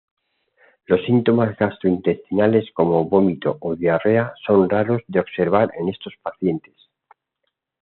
Los síntomas gastrointestinales como vómito o diarrea son raros de observar en estos pacientes.